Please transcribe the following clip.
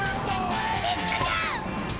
しずかちゃん！